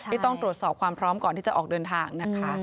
ต้องตรวจสอบความพร้อมก่อนที่จะออกเดินทางนะคะ